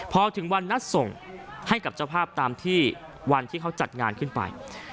พอถึงวันนัดส่งให้กับเจ้าภาพตามที่วันที่เขาจัดงานขึ้นไป